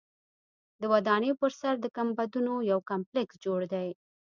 د ودانۍ پر سر د ګنبدونو یو کمپلیکس جوړ دی.